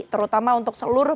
terutama untuk seluruh